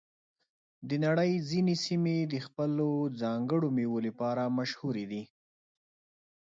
د نړۍ ځینې سیمې د خپلو ځانګړو میوو لپاره مشهور دي.